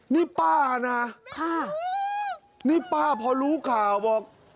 นี่ป้านะค่ะนี่ป้าพอรู้ข่าวบอก